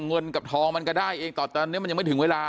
เงินกับทองมันก็ได้เองแต่ตอนนี้มันยังไม่ถึงเวลา